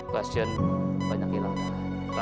klasjen banyak hilang darah